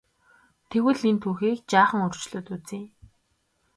Тэгвэл энэ түүхийг жаахан өөрчлөөд үзье.